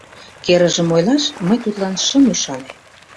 Керыжым ойлаш, мый тудлан шым ӱшане.